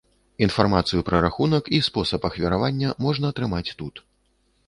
Інфармацыю пра рахунак і спосаб ахвяравання можна атрымаць тут.